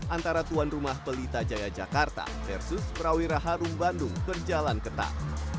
antara tuan rumah pelita jaya jakarta versus prawira harum bandung berjalan ketat